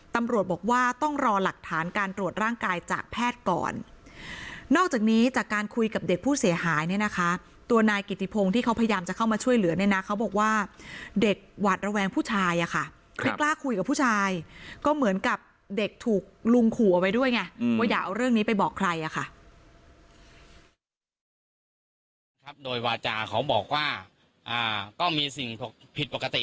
ตำรวจบอกว่าต้องรอหลักฐานการตรวจร่างกายจากแพทย์ก่อนนอกจากนี้จากการคุยกับเด็กผู้เสียหายเนี่ยนะคะตัวนายกิติพงศ์ที่เขาพยายามจะเข้ามาช่วยเหลือเนี่ยนะเขาบอกว่าเด็กหวาดระแวงผู้ชายอะค่ะไม่กล้าคุยกับผู้ชายก็เหมือนกับเด็กถูกลุงขู่เอาไว้ด้วยไงว่าอย่าเอาเรื่องนี้ไปบอกใครอ่ะค่ะ